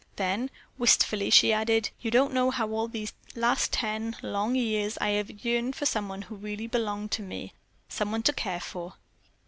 Then wistfully she added: "You don't know how all these last ten, long years I have yearned for someone who really belonged to me, someone to care for."